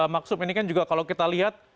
maksud ini kan juga kalau kita lihat